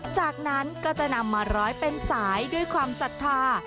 จากนั้นก็จะนำมาร้อยเป็นสายด้วยความศรัทธา